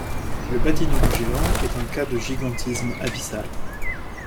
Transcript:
Le bathynome géant est un cas de gigantisme abyssal.